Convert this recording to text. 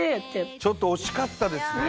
ちょっと惜しかったですね。